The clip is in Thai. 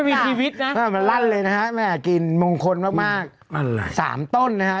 มีชีวิตนะมันลั่นเลยนะฮะแม่กินมงคลมากมากสามต้นนะฮะ